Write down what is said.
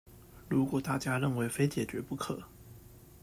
如果大家認為非解決不可